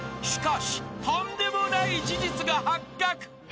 ［しかしとんでもない事実が発覚］